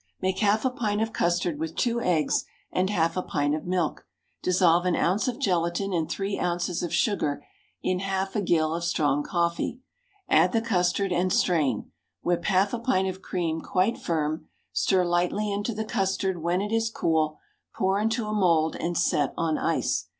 _ Make half a pint of custard with two eggs and half a pint of milk; dissolve an ounce of gelatine and three ounces of sugar in half a gill of strong coffee; add the custard, and strain; whip half a pint of cream quite firm; stir lightly into the custard; when it is cool, pour into a mould, and set on ice.